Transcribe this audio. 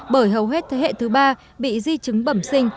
bởi hầu hết thế hệ thứ ba bị di chứng bẩm sinh